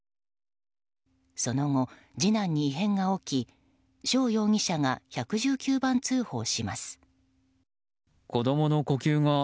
その後、次男に異変が起き翔容疑者が１１９番通報します。